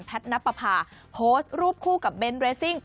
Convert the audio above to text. แพทย์นัปภาโพสต์รูปคู่กับเบ้นท์เรสซิ่ง